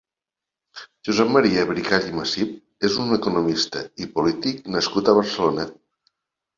Josep Maria Bricall i Masip és un economista i polític nascut a Barcelona.